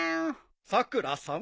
さくらさん